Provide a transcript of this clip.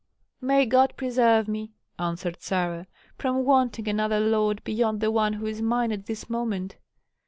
"May God preserve me," answered Sarah, "from wanting another lord beyond the one who is mine at this moment.